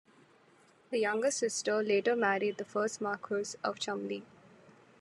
The younger sister later married the first Marquess of Cholmondeley.